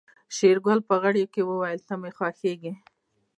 شېرګل په غريو کې وويل ته مې خوښيږې.